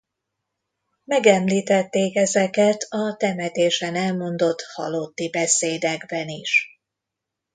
Megemlítették ezeket a temetésen elmondott halotti beszédekben is.